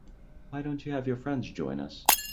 Why don't you have your friends join us?